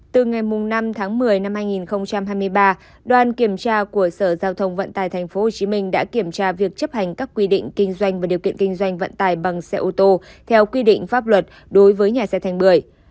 từ ngày năm tháng một mươi năm hai nghìn hai mươi ba đoàn kiểm tra của sở giao thông vận tài tp hcm đã kiểm tra việc chấp hành các quy định kinh doanh và điều kiện kinh doanh vận tải bằng xe ô tô theo quy định pháp luật đối với nhà xe thành bưởi